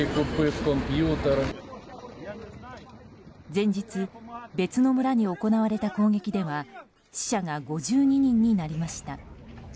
前日別の村に行われた攻撃では死者が５２人になりました。